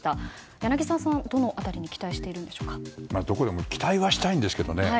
柳澤さん、どの辺りに期待はしたいんですけどね